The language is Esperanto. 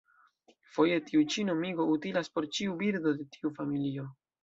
Foje tiu ĉi nomigo utilas por ĉiu birdo de tiu familio.